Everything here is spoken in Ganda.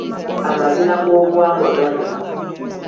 Amazina g'obuwangwa ganyuma.